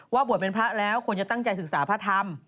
บวชเป็นพระแล้วควรจะตั้งใจศึกษาพระธรรม